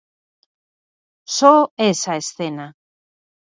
Só esa escena.